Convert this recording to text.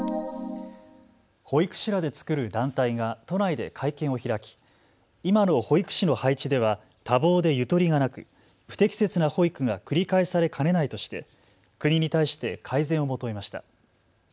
保育士らで作る団体が都内で会見を開き今の保育士の配置では多忙でゆとりがなく不適切な保育が繰り返されかねないとして国に対して改善を求めました。